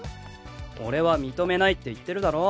俺は認めないって言ってるだろ。